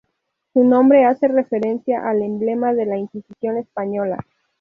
Su nombre hace referencia al emblema de la Inquisición española.